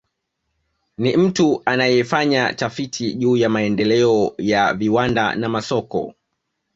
Ni mtu anayefanya tafiti juu ya maendeleo ya viwanda na masoko